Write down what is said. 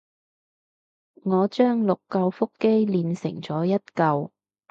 我將六舊腹肌鍊成咗做一舊